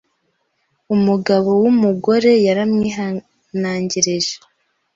Umugabo w’umugore yaramwihanangirije